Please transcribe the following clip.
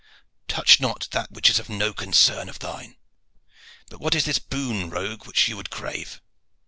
Touch not that which is no concern of thine. But what is this boon, rogue, which you would crave?"